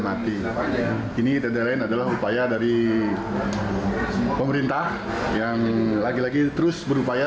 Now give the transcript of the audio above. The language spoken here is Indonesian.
mati ini tender lain adalah upaya dari pemerintah yang lagi lagi terus berupaya